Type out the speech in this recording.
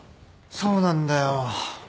そうなんだよ。